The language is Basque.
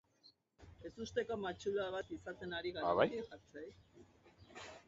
Gazako sarraskia eta Israelgo armadaren oldarraldia direla eta, bertan behera utzi dituzte gabon ospakizunak